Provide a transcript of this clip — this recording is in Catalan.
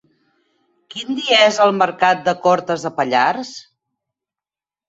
Quin dia és el mercat de Cortes de Pallars?